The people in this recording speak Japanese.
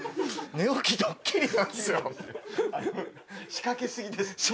仕掛け過ぎです。